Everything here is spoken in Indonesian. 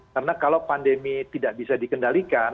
karena kalau pandemi tidak bisa dikendalikan